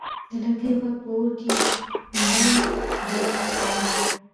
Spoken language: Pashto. د لرګیو ږغ په اور کې بل ډول ښکاري.